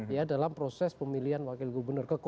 ya dalam proses pemilihan